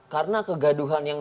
karena kegaduhan yang